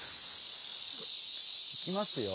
いきますよ。